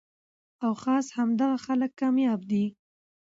او خاص همدغه خلک کامياب دي